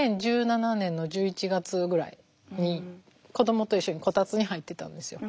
２０１７年の１１月ぐらいに子どもと一緒にこたつに入ってたんですよ。